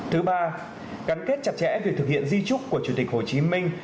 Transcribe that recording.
thứ ba gắn kết chặt chẽ việc thực hiện di trúc của chủ tịch hồ chí minh